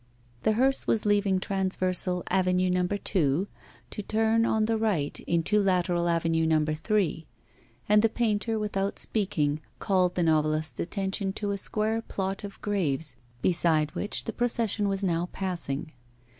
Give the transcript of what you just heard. The hearse was leaving transversal Avenue No. 2 to turn, on the right, into lateral Avenue No. 3, and the painter, without speaking, called the novelist's attention to a square plot of graves, beside which the procession was now passing.